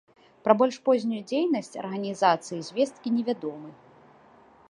Пра больш познюю дзейнасць арганізацыі звесткі невядомы.